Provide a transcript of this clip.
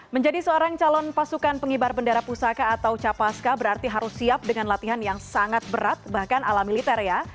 menjadi seorang calon pasukan pengibar bendera pusaka atau capaska berarti harus siap dengan latihan yang sangat berat bahkan ala militer ya